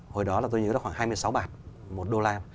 hồi đó là tôi nhớ là khoảng hai mươi sáu bản một đô la